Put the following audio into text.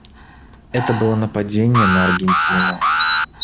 Это было нападение на Аргентину.